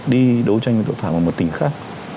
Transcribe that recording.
đi đấu tranh với tội phạm ở một tỉnh khác